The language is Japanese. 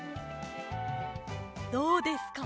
どうですか？